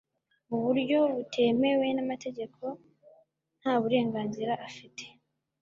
mu buryo butemewe n'amategeko nta burenganzira afite